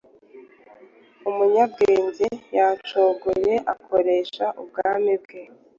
Umunyabwenge yacogoye akoresha ubwami bwe